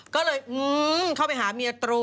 ก็เลยเข้าไปหาเมียตรู